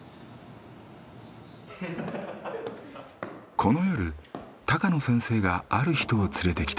この夜高野先生がある人を連れてきた。